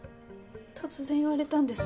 突然言われたんです。